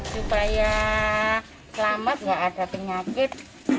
supaya selamat nggak ada penyakit